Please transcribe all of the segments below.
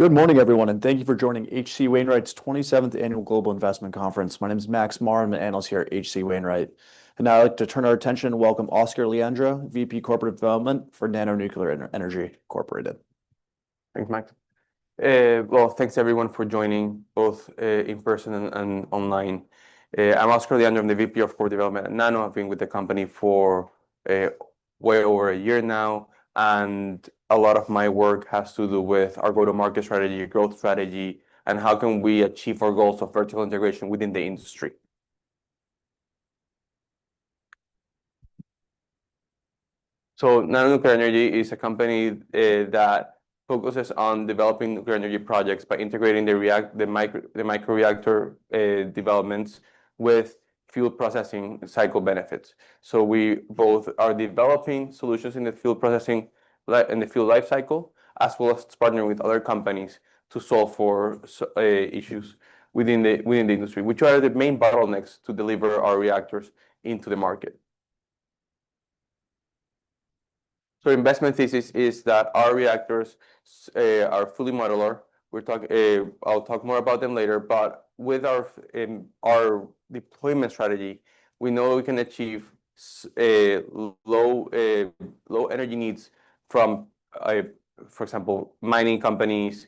Good morning, everyone, and thank you for joining H.C. Wainwright's 27th Annual Global Investment Conference. My name is Max Mahr, and I'm with H.C. Wainwright. Now I'd like to turn our attention and welcome Oscar Leandro, VP Corporate Development for NANO Nuclear Energy Inc. Thanks, Max. Well, thanks everyone for joining, both in person and online. I'm Oscar Leandro. I'm the VP of Corporate Development at NANO. I've been with the company for way over a year now, and a lot of my work has to do with our go-to-market strategy, growth strategy, and how can we achieve our goals of vertical integration within the industry. So NANO Nuclear Energy is a company that focuses on developing nuclear energy projects by integrating the microreactor developments with fuel processing cycle benefits. So we both are developing solutions in the fuel processing, in the fuel life cycle, as well as partnering with other companies to solve for issues within the industry, which are the main bottlenecks to deliver our reactors into the market. So our investment thesis is that our reactors are fully modular. I'll talk more about them later, but with our deployment strategy, we know we can achieve low energy needs from, for example, mining companies,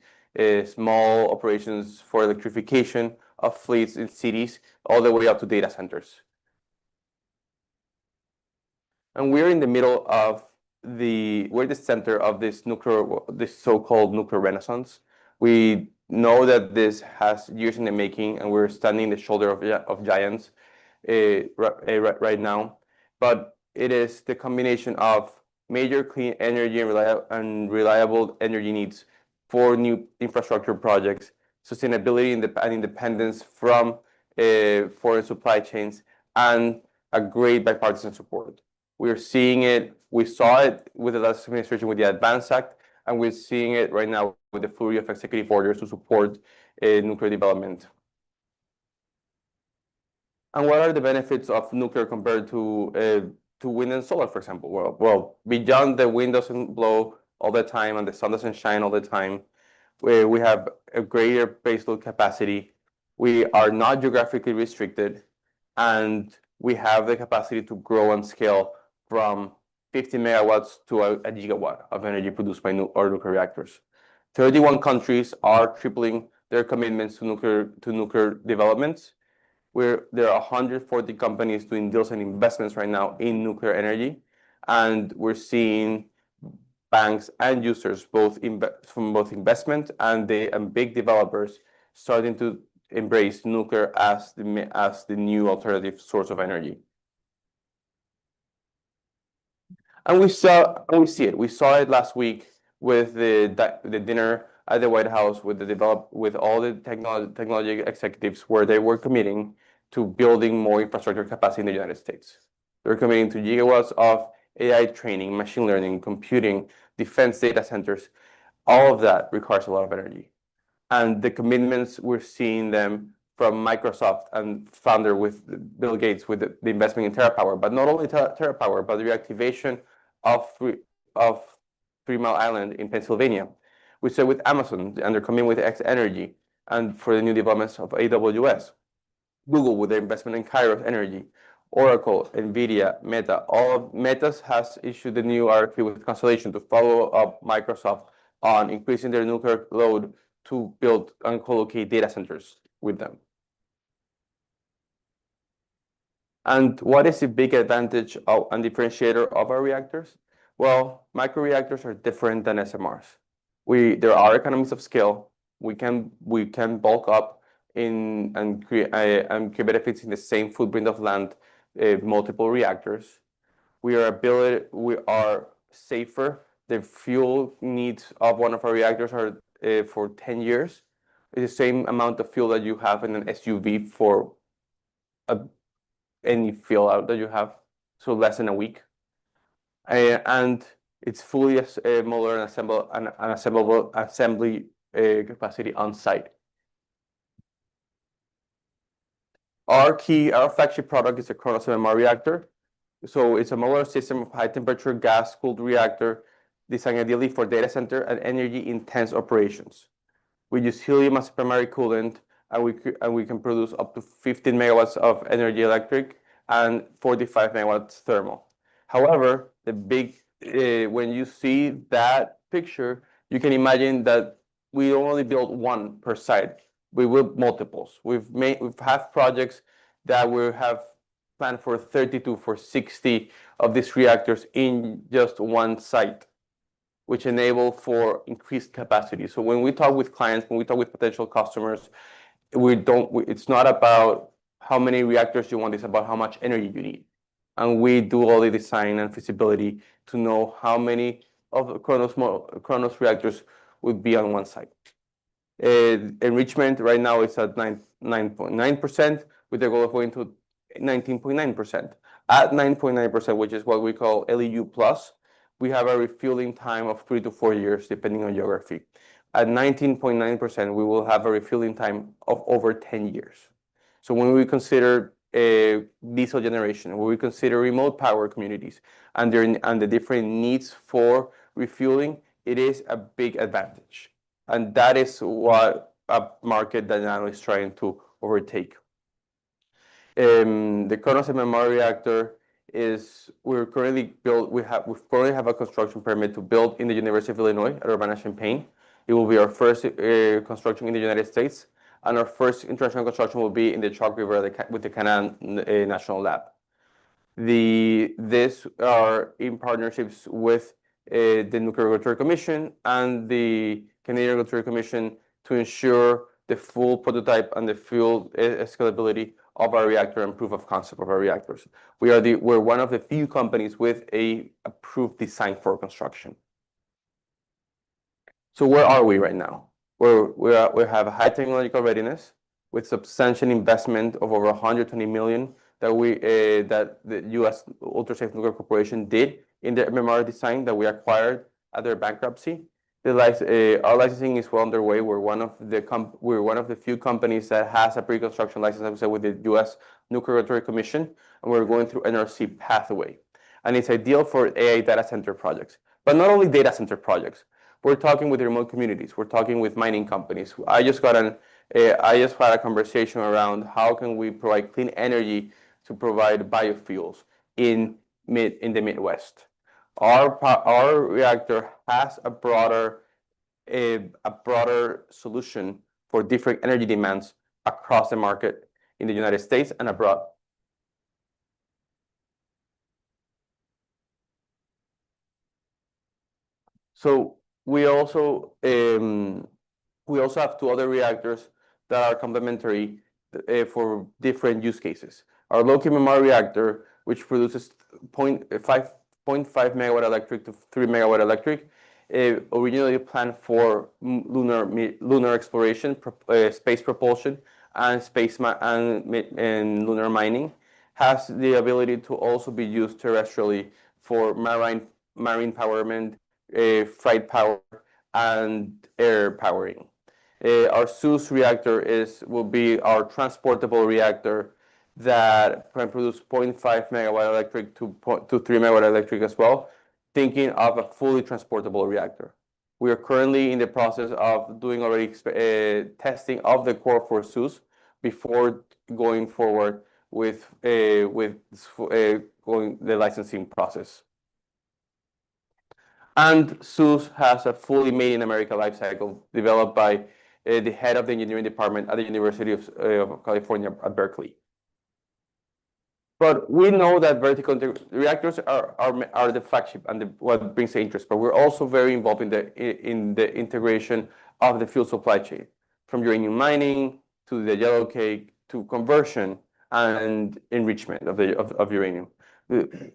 small operations for electrification of fleets in cities, all the way up to data centers, and we're in the middle of the center of this so-called nuclear renaissance. We know that this has years in the making, and we're standing on the shoulders of giants right now, but it is the combination of major clean energy and reliable energy needs for new infrastructure projects, sustainability and independence from foreign supply chains, and great bipartisan support. We are seeing it. We saw it with the last administration with the ADVANCE Act, and we're seeing it right now with the flurry of executive orders to support nuclear development, and what are the benefits of nuclear compared to wind and solar, for example? Beyond the wind doesn't blow all the time and the sun doesn't shine all the time, we have a greater baseload capacity. We are not geographically restricted, and we have the capacity to grow and scale from 50 MW to 1GW of energy produced by nuclear reactors. 31 countries are tripling their commitments to nuclear developments. There are 140 companies doing deals and investments right now in nuclear energy. We're seeing banks and users from both investment and big developers starting to embrace nuclear as the new alternative source of energy. We see it. We saw it last week with the dinner at the White House with all the technology executives where they were committing to building more infrastructure capacity in the United States. They're committing to GW of AI training, machine learning, computing, defense data centers. All of that requires a lot of energy. The commitments we're seeing them from Microsoft and founder Bill Gates with the investment in TerraPower, but not only TerraPower, but the reactivation of Three Mile Island in Pennsylvania. We saw with Amazon and their commitment with X-energy and for the new developments of AWS. Google with their investment in Kairos Power, Oracle, NVIDIA, Meta. All of Meta has issued the new RFP with Constellation to follow up Microsoft on increasing their nuclear load to build and co-locate data centers with them. What is the big advantage and differentiator of our reactors? Well, microreactors are different than SMRs. There are economies of scale. We can bulk up and create benefits in the same footprint of land, multiple reactors. We are safer. The fuel needs of one of our reactors are for 10 years. It's the same amount of fuel that you have in an SUV for any fuel out that you have, so less than a week. It's fully modular and assembly capacity on site. Our key, our flagship product is the KRONOS MMR reactor. It's a modular system of high temperature gas cooled reactor designed ideally for data center and energy intense operations. We use helium as primary coolant, and we can produce up to 15 MW of energy electric and 45 MW thermal. However, when you see that picture, you can imagine that we only built one per site. We built multiples. We've had projects that we have planned for 32, for 60 of these reactors in just one site, which enables for increased capacity. When we talk with clients, when we talk with potential customers, it's not about how many reactors you want. It's about how much energy you need, and we do all the design and feasibility to know how many of KRONOS reactors would be on one site. Enrichment right now is at 9.9% with a goal of going to 19.9%. At 9.9%, which is what we call LEU+, we have a refueling time of three to four years depending on geography. At 19.9%, we will have a refueling time of over 10 years, so when we consider diesel generation, when we consider remote power communities and the different needs for refueling, it is a big advantage, and that is what a market that NANO is trying to overtake. The KRONOS MMR reactor, we're currently building. We currently have a construction permit to build in the University of Illinois at Urbana-Champaign. It will be our first construction in the United States. And our first international construction will be in the Chalk River with the Canadian Nuclear Laboratories. These are in partnerships with the U.S. Nuclear Regulatory Commission and the Canadian Nuclear Safety Commission to ensure the full prototype and the field scalability of our reactor and proof of concept of our reactors. We are one of the few companies with an approved design for construction. So where are we right now? We have a high technological readiness with substantial investment of over $120 million that the U.S. Ultra Safe Nuclear Corporation did in the MMR design that we acquired at their bankruptcy. Our licensing is well underway. We're one of the few companies that has a pre-construction license, as I said, with the U.S. Nuclear Regulatory Commission. And we're going through NRC pathway. And it's ideal for AI data center projects. But not only data center projects. We're talking with remote communities. We're talking with mining companies. I just had a conversation around how can we provide clean energy to provide biofuels in the Midwest. Our reactor has a broader solution for different energy demands across the market in the United States and abroad. So we also have two other reactors that are complementary for different use cases. Our low QMR reactor, which produces 0.5-3 MW electric, originally planned for lunar exploration, space propulsion, and lunar mining, has the ability to also be used terrestrially for marine powering, flight power, and air powering. Our ZEUS reactor will be our transportable reactor that can produce 0.5-3 MW electric as well, thinking of a fully transportable reactor. We are currently in the process of doing already testing of the core for Zeus before going forward with the licensing process. Zeus has a fully made in America life cycle developed by the head of the engineering department at the University of California, Berkeley. We know that vertical reactors are the flagship and what brings the interest. We're also very involved in the integration of the fuel supply chain, from uranium mining to the yellowcake to conversion and enrichment of uranium.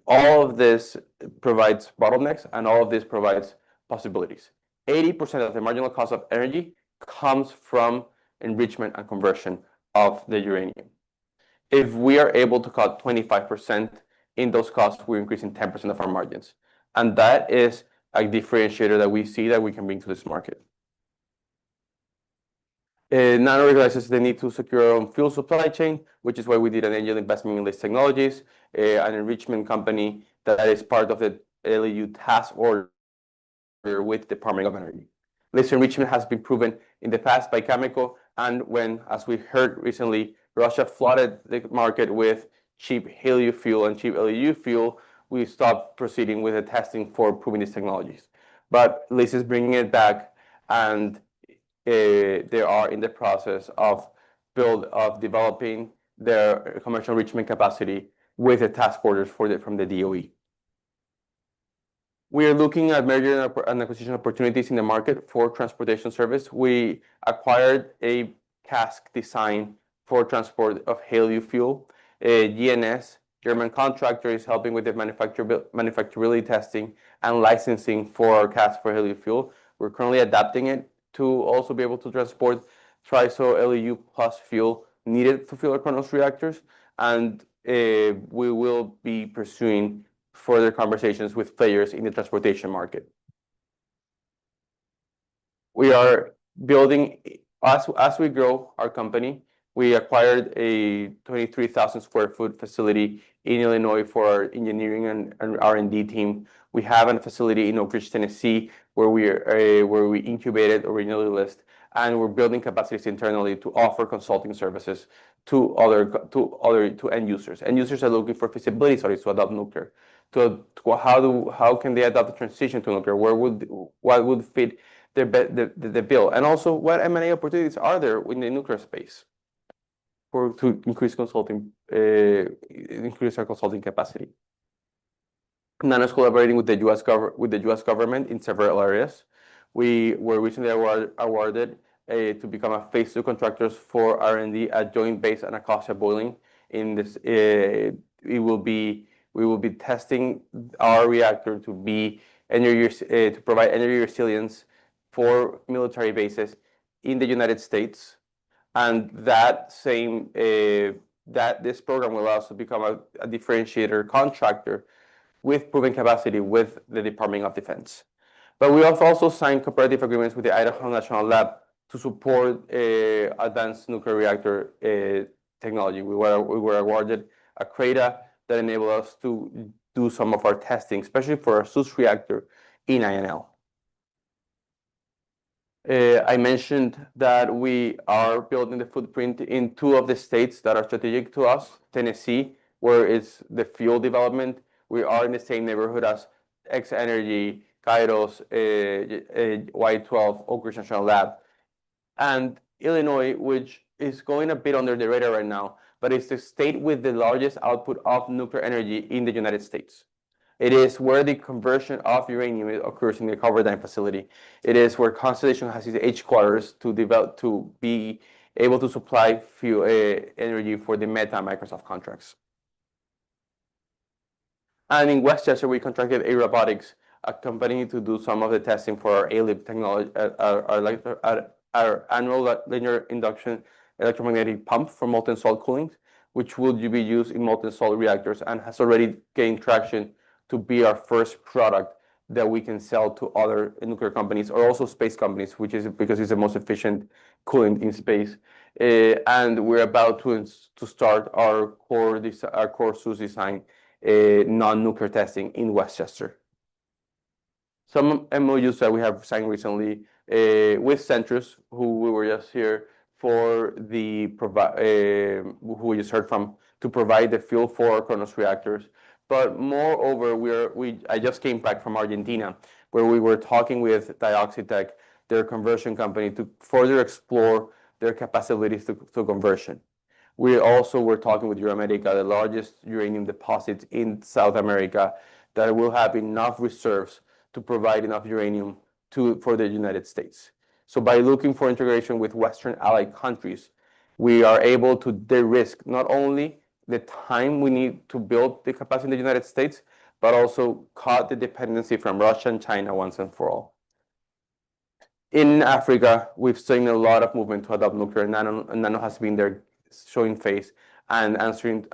All of this provides bottlenecks, and all of this provides possibilities. 80% of the marginal cost of energy comes from enrichment and conversion of the uranium. If we are able to cut 25% in those costs, we're increasing 10% of our margins. That is a differentiator that we see that we can bring to this market. NANO recognizes the need to secure our own fuel supply chain, which is why we did an angel investment in LIS Technologies, an enrichment company that is part of the LEU task order with the Department of Energy. LIS Enrichment has been proven in the past by Cameco, and when, as we heard recently, Russia flooded the market with cheap helium fuel and cheap LEU fuel, we stopped proceeding with the testing for proving these technologies, but LIS is bringing it back, and they are in the process of developing their commercial enrichment capacity with the task orders from the DOE. We are looking at mergers and acquisition opportunities in the market for transportation service. We acquired a cask design for transport of helium fuel. GNS, German contractor, is helping with the manufacturability testing and licensing for our cask for helium fuel. We're currently adapting it to also be able to transport TRISO LEU+ fuel needed to fuel our Kronos reactors. We will be pursuing further conversations with players in the transportation market. We are building, as we grow our company, we acquired a 23,000 sq ft facility in Illinois for our engineering and R&D team. We have a facility in Oak Ridge, Tennessee, where we incubated originally LIS. We're building capacities internally to offer consulting services to end users. End users are looking for feasibility studies to adopt nuclear. How can they adopt the transition to nuclear? What would fit their bill? Also, what M&A opportunities are there in the nuclear space to increase our consulting capacity? NANO is collaborating with the U.S. government in several areas. We were recently awarded to become a phase II contractor for R&D at Joint Base Anacostia-Bolling. We will be testing our reactor to provide energy resilience for military bases in the United States, and this program will also become a differentiator contractor with proven capacity with the Department of Defense, but we have also signed cooperative agreements with the Idaho National Laboratory to support advanced nuclear reactor technology. We were awarded a CRADA that enabled us to do some of our testing, especially for our Zeus reactor in INL. I mentioned that we are building the footprint in two of the states that are strategic to us, Tennessee, where it's the fuel development. We are in the same neighborhood as X Energy, Kairos, Y-12, Oak Ridge National Laboratory, and Illinois, which is going a bit under the radar right now, but it's the state with the largest output of nuclear energy in the United States. It is where the conversion of uranium occurs in the ConverDyn facility. It is where Constellation has its HQ to be able to supply energy for the Meta and Microsoft contracts. In Westchester, we contracted a robotics company to do some of the testing for our ALIP technology, our annular linear induction electromagnetic pump for molten salt cooling, which will be used in molten salt reactors and has already gained traction to be our first product that we can sell to other nuclear companies or also space companies, because it's the most efficient cooling in space. We're about to start our core Zeus design non-nuclear testing in Westchester. Some MOUs that we have signed recently with Centrus, who we were just here for, who we just heard from, to provide the fuel for KRONOS reactors. But moreover, I just came back from Argentina, where we were talking with Dioxitek, their conversion company, to further explore their capacities to conversion. We also were talking with UrAmerica, the largest uranium deposit in South America, that will have enough reserves to provide enough uranium for the United States. So by looking for integration with Western allied countries, we are able to de-risk not only the time we need to build the capacity in the United States, but also cut the dependency from Russia and China once and for all. In Africa, we've seen a lot of movement to adopt nuclear. NANO has been there showing face and answered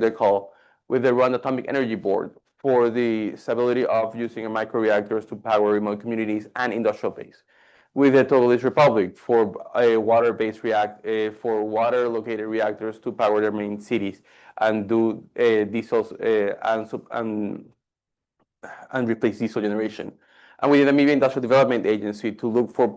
their call with the Rwanda Atomic Energy Board for the stability of using micro reactors to power remote communities and industrial base. With the Republic of Togo for water-cooled reactors to power their main cities and replace diesel generation, and with the Namibia Industrial Development Agency to look for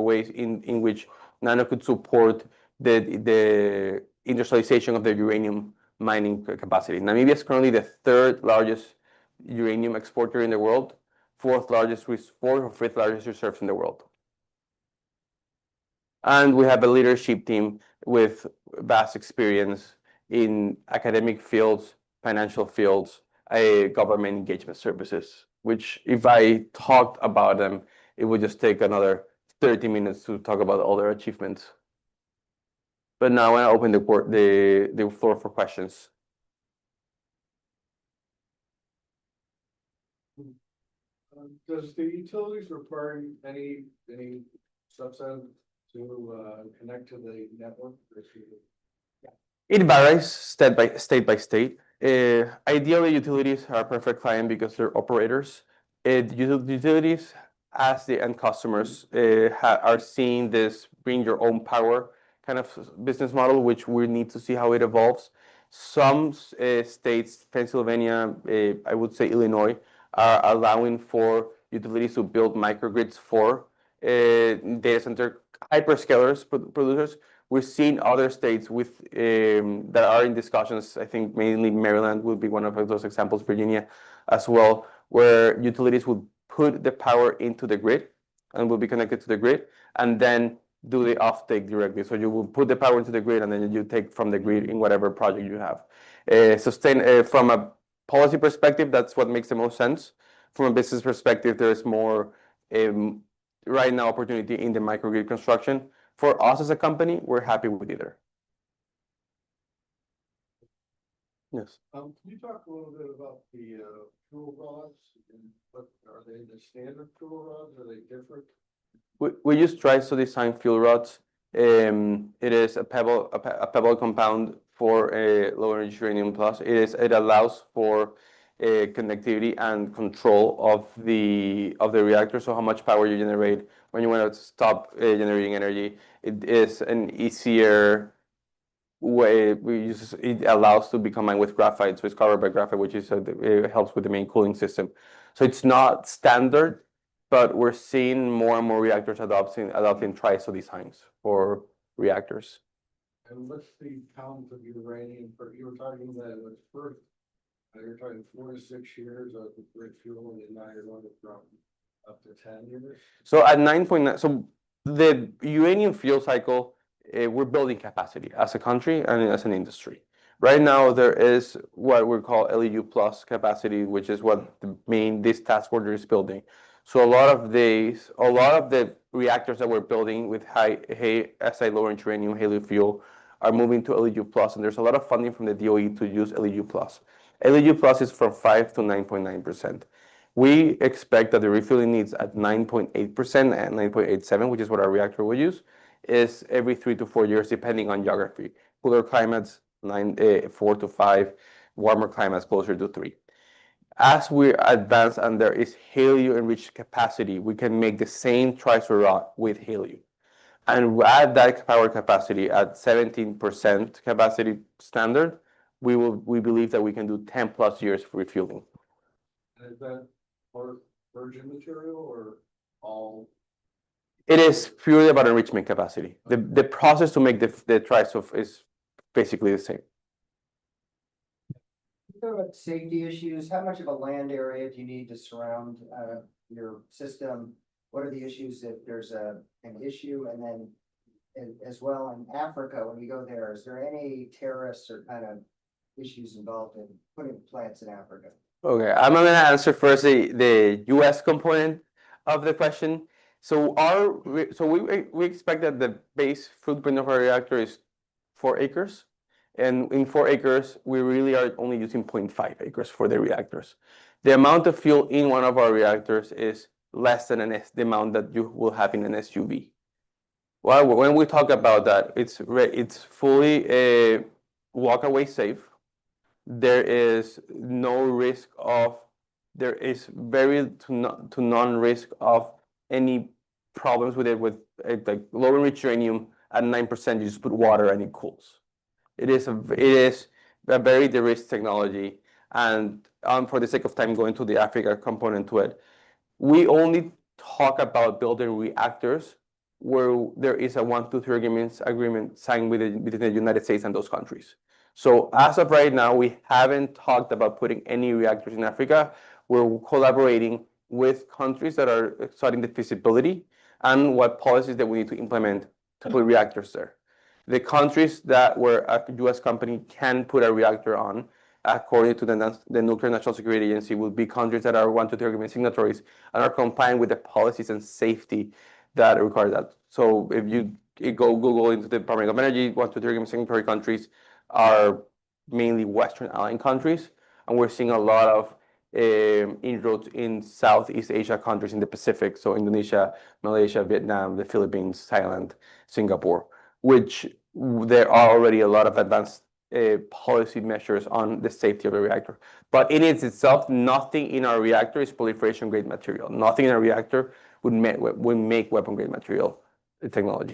ways in which NANO could support the industrialization of their uranium mining capacity. Namibia is currently the third largest uranium exporter in the world, fourth largest reserve, or fifth largest reserve in the world. We have a leadership team with vast experience in academic fields, financial fields, government engagement services, which if I talked about them, it would just take another 30 minutes to talk about all their achievements, but now I want to open the floor for questions. Does the utilities require any subsidy to connect to the network? It varies state by state. Ideally, utilities are a perfect client because they're operators. The utilities, as the end customers, are seeing this bring your own power kind of business model, which we need to see how it evolves. Some states, Pennsylvania, I would say Illinois, are allowing for utilities to build microgrids for data center hyperscalers producers. We're seeing other states that are in discussions, I think mainly Maryland would be one of those examples, Virginia as well, where utilities would put the power into the grid and would be connected to the grid and then do the offtake directly. So you will put the power into the grid and then you take from the grid in whatever project you have. From a policy perspective, that's what makes the most sense. From a business perspective, there is more right now opportunity in the microgrid construction. For us as a company, we're happy with either. Yes. Can you talk a little bit about the fuel rods? Are they the standard fuel rods? Are they different? We just try to design fuel rods. It is a pebble compound for low-enriched uranium plus. It allows for connectivity and control of the reactor, so how much power you generate when you want to stop generating energy. It is an easier way. It allows to be combined with graphite. So it's covered by graphite, which helps with the main cooling system. So it's not standard, but we're seeing more and more reactors adopting TRISO designs for reactors. What's the count of uranium? You were talking that it was four to six years of grid fuel, and now you're going from up to 10 years? At 9.9, the Uranium fuel cycle, we're building capacity as a country and as an industry. Right now, there is what we call LEU plus capacity, which is what this task order is building. A lot of the reactors that we're building with HALEU, low-enriched uranium, HALEU fuel are moving to LEU plus. And there's a lot of funding from the DOE to use LEU+. LEU+ is from 5%-9.9%. We expect that the refueling needs at 9.8% and 9.87%, which is what our reactor will use, is every three to four years, depending on geography. Cooler climates, four to five. Warmer climates, closer to three. As we advance and there is HALEU-enriched capacity, we can make the same TRISO rod with HALEU. And at that power capacity, at 17% capacity standard, we believe that we can do 10 plus years of refueling. And is that for virgin material or all? It is purely about enrichment capacity. The process to make the TRISO is basically the same. What about safety issues? How much of a land area do you need to surround your system? What are the issues if there's an issue? And then as well in Africa, when you go there, is there any terrorists or kind of issues involved in putting plants in Africa? Okay. I'm going to answer first the U.S. component of the question. So we expect that the base footprint of our reactor is four acres. And in four acres, we really are only using 0.5 acres for the reactors. The amount of fuel in one of our reactors is less than the amount that you will have in an SUV. When we talk about that, it's fully walk-away safe. There is no risk or very little to no risk of any problems with it with low enriched uranium at 9%. You just put water and it cools. It is a very durable technology. And for the sake of time, going to the Africa component to it, we only talk about building reactors where there is a 123 Agreement signed within the United States and those countries. So as of right now, we haven't talked about putting any reactors in Africa. We're collaborating with countries that are studying the feasibility and what policies that we need to implement to put reactors there. The countries where a U.S. company can put a reactor on, according to the National Nuclear Security Administration, would be countries that are one to three agreement signatories and are compliant with the policies and safety that require that. So if you go Google into the Department of Energy, one to three agreement signatory countries are mainly Western allied countries. We're seeing a lot of inroads in Southeast Asia countries in the Pacific, so Indonesia, Malaysia, Vietnam, the Philippines, Thailand, Singapore, which there are already a lot of advanced policy measures on the safety of a reactor. But in itself, nothing in our reactor is proliferation-grade material. Nothing in our reactor would make weapon-grade material technology.